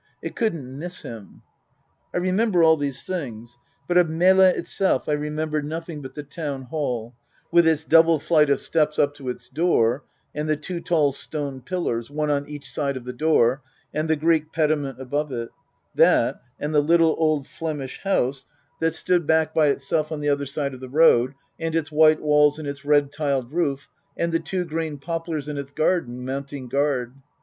It couldn't miss him. I remember all these things ; but of Melle itself I remember nothing but the Town Hall, with its double flight of steps up to its door, and the two tall stone pillars, one on each side of the door, and the Greek pediment above it ; that and the little old Flemish house that stood 320 Tasker Jevons back by itself on the other side of the road, and its white walls and its red tiled roof, and the two green poplars in its garden, mounting guard.